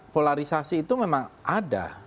polarisasi itu memang ada